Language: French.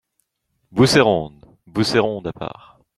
Bousséronde !» Bousséronde , à part.